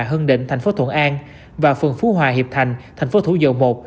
hương định thành phố thuận an và phường phú hòa hiệp thành thành phố thủ dầu một